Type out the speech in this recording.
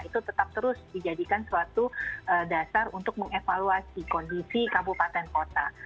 itu tetap terus dijadikan suatu dasar untuk mengevaluasi kondisi kabupaten kota